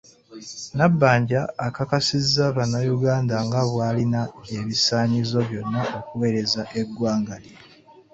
Nabbanja akakasizza bannayuganda nga bw’alina ebisaanyizo byonna okuweereza eggwanga lye.